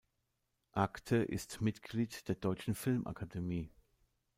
Agthe ist Mitglied der Deutschen Filmakademie.